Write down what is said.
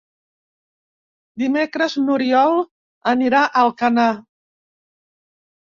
Dimecres n'Oriol anirà a Alcanar.